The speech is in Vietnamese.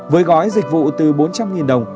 với gói dịch vụ từ bốn trăm linh đồng